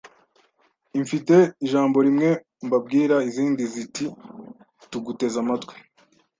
imfite ijambo rimwe mbabwira Izindi ziti tuguteze amatwi